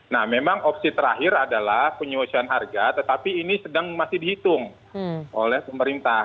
nah memang opsi terakhir adalah penyelesaian harga tetapi ini sedang masih dihitung oleh pemerintah